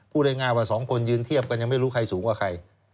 พูดง่ายว่าสองคนยืนเทียบกันยังไม่รู้ใครสูงกว่าใคร